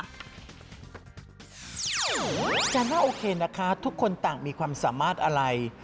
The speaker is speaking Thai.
อาจารย์ว่าโอเคนะคะทุกคนต่างมีความสามารถอะไร